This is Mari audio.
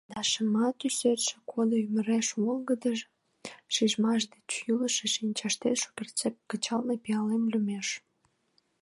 Да шыма тӱсетше кодо ӱмыреш Волгыдо шижмаш ден йӱлышӧ шинчаште Шукертсек кычалме пиалем лӱмеш.